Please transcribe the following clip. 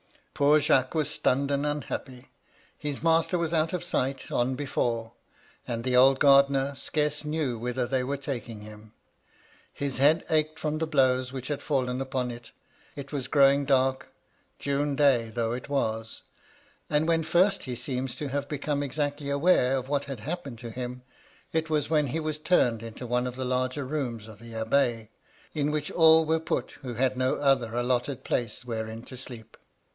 Poor Jacques was stunned and unhappy, — his master was out of sight, on before ; and the old gardener scarce knew whither they were taking him. His head ached from the blows which had fallen upon it ; it was growing dark, — June day though it was, ^ MY LADY LUDLOW. 181 and when first he seems to have become exactly aware of what had happened to him, it was when he was turned into one of the larger rooms of the Abbaye, in which all were put who had no other allotted place wherein to sleep.